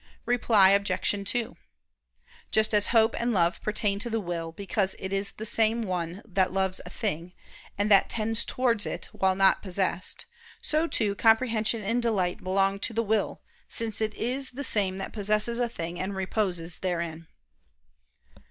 Reply Obj. 2: Just as hope and love pertain to the will, because it is the same one that loves a thing, and that tends towards it while not possessed, so, too, comprehension and delight belong to the will, since it is the same that possesses a thing and reposes therein.